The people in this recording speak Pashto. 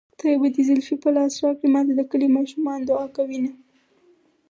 خدای به دې زلفې په لاس راکړي ماته د کلي ماشومان دوعا کوينه